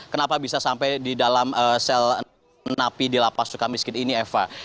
kenapa bisa sampai di dalam sel napi di lapas suka miskin ini eva